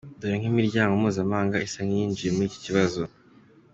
Dore ko n’imiryango mpuzamahanga isa nk’iyinjiye muri iki kibazo.